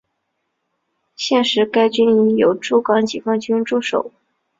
现时该军营由驻港解放军驻守。